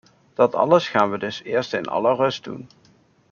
Dat alles gaan we dus eerst in alle rust doen.